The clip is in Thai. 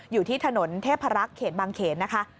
อยู่ที่ถนนเทพรักษ์เขตบางเขนนะคะ